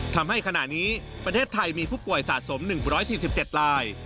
ทำให้ขณะนี้ประเทศไทยมีผู้ป่วยสะสม๑๔๗ลาย